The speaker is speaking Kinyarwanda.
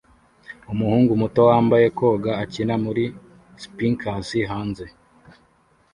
Umuhungu muto wambaye koga akina muri spinkers hanze